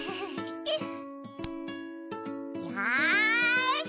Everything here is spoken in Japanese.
よし！